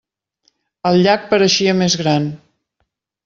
El llac pareixia més gran.